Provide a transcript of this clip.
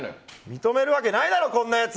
認めるわけないだろこんなやつ！